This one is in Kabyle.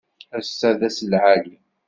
Ass-a d ass lɛali.